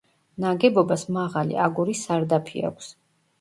ნაგებობას მაღალი, აგურის სარდაფი აქვს.